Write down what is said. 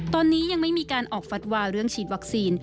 ตอนนี้ยังไม่มีการออกฟัดวาเรื่องฉีดวัคซีน